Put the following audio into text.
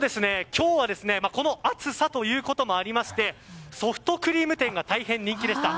今日はこの暑さということもあってソフトクリーム店が大変人気でした。